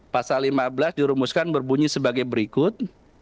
pasal lima belas dirumuskan berbunyi sebagai berikut